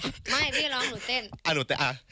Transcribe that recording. ไม่ให้พี่ร้องหนูเต้น